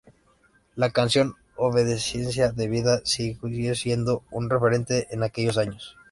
La canción "Obediencia debida" sigue siendo un referente de aquellos años.